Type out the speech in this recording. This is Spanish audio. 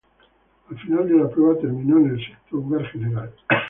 Al final de la prueba terminó en el sexto lugar general.